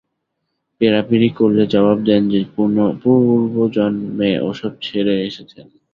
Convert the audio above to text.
পেড়াপীড়ি করলে জবাব দেন যে, পূর্বজন্মে ওসব সেরে এসেছেন।